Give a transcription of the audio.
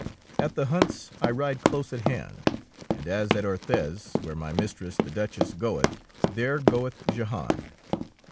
At the hunts I ride close at hand, and as at Orthez, where my mistress the Duchess goeth, there goeth Jehan.